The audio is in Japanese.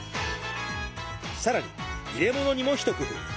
さらに入れ物にも一工夫。